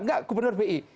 enggak gubernur bi